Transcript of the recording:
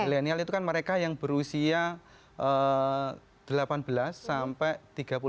milenial itu kan mereka yang berusia delapan belas sampai tiga puluh tujuh atau tiga puluh enam